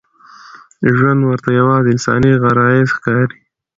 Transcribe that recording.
ژوند ورته یوازې انساني غرايز ښکاري.